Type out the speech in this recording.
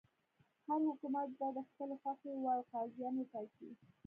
هر حکومت به د خپلې خوښې وړ قاضیان وټاکي.